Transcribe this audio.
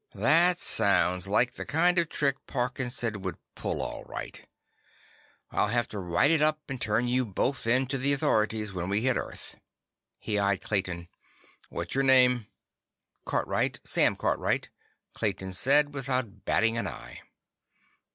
"That sounds like the kind of trick Parkinson would pull, all right. I'll have to write it up and turn you both in to the authorities when we hit Earth." He eyed Clayton. "What's your name?" "Cartwright. Sam Cartwright," Clayton said without batting an eye.